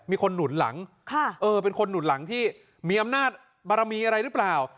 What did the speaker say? มีคนหนุนหลังเป็นคนหนุนหลังที่มีอำนาจบารมีอะไรหรือเปล่า